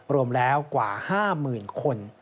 รวมแล้วกว่า๕หมื่นคน